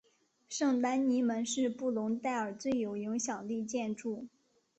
圣丹尼门是布隆代尔最有影响力建筑。